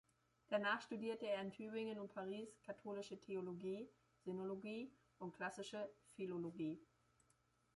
Danach studierte er in Tübingen und Paris Katholische Theologie, Sinologie und Klassische Philologie.